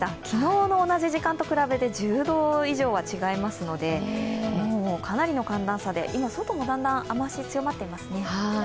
昨日の同じ時間と比べて１０度以上は違いますので、かなりの寒暖差で、今、外もだんだん雨足、強まっていますね。